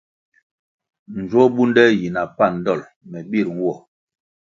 Njwo bunde yi na na pan dol me bir nwo.